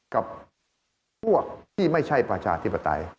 กับพวกที่ไม่ใช่ประชาธิปไตย